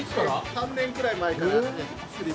３年くらい前から。